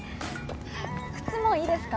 靴もいいですか？